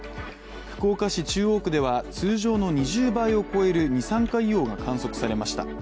福岡市中央区では、通常の２０倍を超える二酸化硫黄が観測されました。